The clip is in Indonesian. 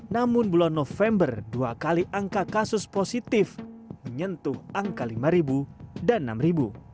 namun bulan november dua kali angka kasus positif menyentuh angka lima ribu dan enam ribu